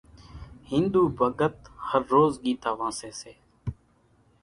ۿينۮُو ڀڳت هروز ڳيتا وانسيَ سي۔